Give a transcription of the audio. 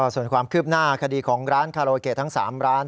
ส่วนความคืบหน้าคดีของร้านคาโรเกะทั้ง๓ร้าน